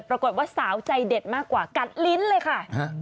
ปรากฏว่าสาวใจเด็ดมากกว่ากัดลิ้นเลยค่ะ